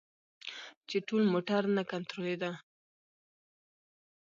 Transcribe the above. چې ټول موټر نه کنترولیده.